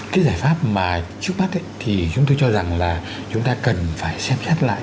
cái giải pháp mà trước mắt thì chúng tôi cho rằng là chúng ta cần phải xem xét lại